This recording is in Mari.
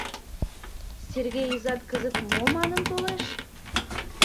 — Сергей изат кызыт мо манын толеш?